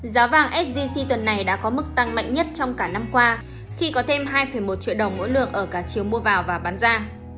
giá vàng sgc tuần này đã có mức tăng mạnh nhất trong cả năm qua khi có thêm hai một triệu đồng mỗi lượng ở cả chiều mua vào và bán ra